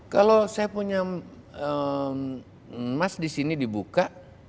kalau saya punya emas di sini dibuka